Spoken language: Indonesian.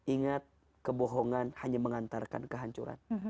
ingat kebohongan hanya mengantarkan kehancuran